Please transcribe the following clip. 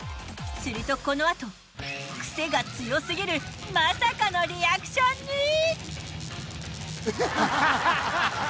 するとこのあとクセが強すぎるまさかのリアクションに。